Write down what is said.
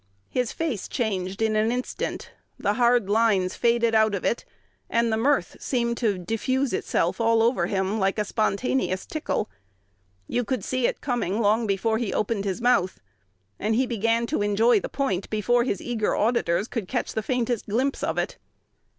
His face changed in an instant: the hard lines faded out of it, and the mirth seemed to diffuse itself all over him, like a spontaneous tickle. You could see it coming long before he opened his mouth, and he began to enjoy the "point" before his eager auditors could catch the faintest glimpse of it.